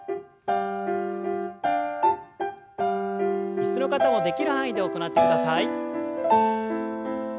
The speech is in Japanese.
椅子の方もできる範囲で行ってください。